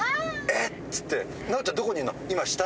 「えっ！」つって。